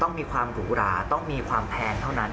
ต้องมีความหรูหราต้องมีความแพงเท่านั้น